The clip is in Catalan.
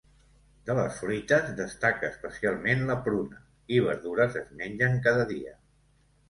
De les fruites, destaca especialment la pruna; i verdures es mengen cada dia.